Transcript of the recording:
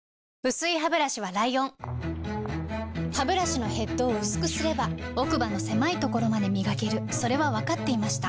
薄いハブラシはライオンハブラシのヘッドを薄くすれば奥歯の狭いところまで磨けるそれは分かっていました